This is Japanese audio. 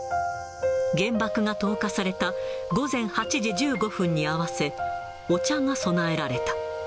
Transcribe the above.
原爆が投下された午前８時１５分に合わせ、お茶が供えられた。